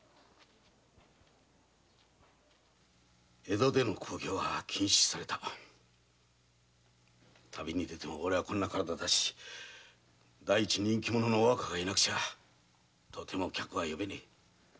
江戸での興行は禁止旅に出てもおれはこの体だし第一人気者のお若がいなくちゃとても客は呼べねぇ。